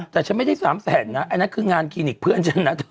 แต่ฉันไม่ได้๓แสนนะอันนั้นคืองานคลินิกเพื่อนฉันนะเธอ